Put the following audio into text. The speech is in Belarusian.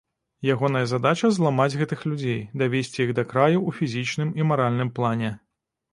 Ягоная задача зламаць гэтых людзей, давесці іх да краю ў фізічным і маральным плане.